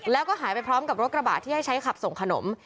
แล้วก็หายไปพร้อมกับรถกระบะที่ให้ใช้ขับส่งขนม